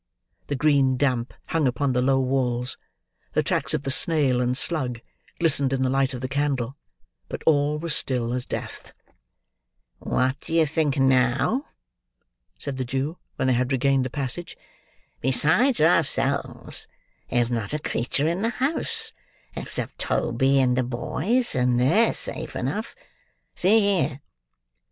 The green damp hung upon the low walls; the tracks of the snail and slug glistened in the light of the candle; but all was still as death. "What do you think now?" said the Jew, when they had regained the passage. "Besides ourselves, there's not a creature in the house except Toby and the boys; and they're safe enough. See here!"